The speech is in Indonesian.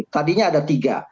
tadinya ada tiga